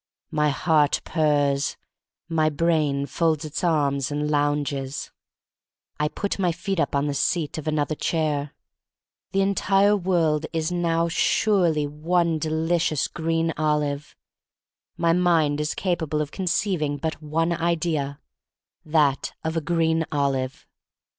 My heart purrs. My brain folds its arms and lounges. I THE STORY OF MARY MAC LANE 85 put my feet up on the seat of another chair. The entire world is now surely one delicious green olive. My mind is capable of conceiving but one idea — that of a green olive.